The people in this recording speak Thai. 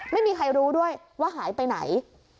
ไม่มีใครรู้ด้วยว่าหายไปไหน